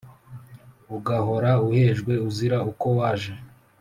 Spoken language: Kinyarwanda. Ugahora uhejwe uzira uko waje